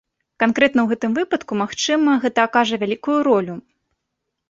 Канкрэтна ў гэтым выпадку, магчыма, гэта акажа вялікую ролю.